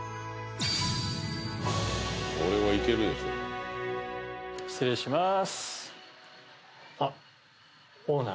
これはいけるでしょ失礼しますあっオーナー？